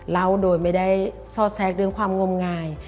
เล่าโดยไม่ได้ซอดแทรกเรื่องความงมงาย